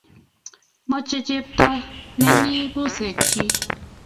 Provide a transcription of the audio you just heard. meche chepto ni bushekchi